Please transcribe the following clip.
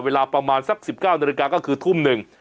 เวลาประมาณสัก๑๙นาฬิกาก็คือทุ่มหนึ่ง